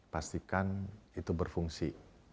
pastikan itu berfungsi